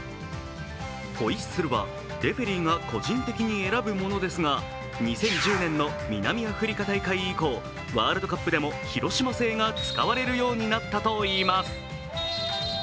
ホイッスルはレフェリーが個人的に選ぶものですが２０１０年の南アフリカ大会以降ワールドカップでも広島製が使われるようになったといいます。